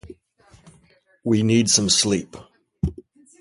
we need some sleep